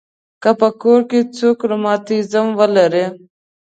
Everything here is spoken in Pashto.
که په کور کې څوک رماتیزم ولري.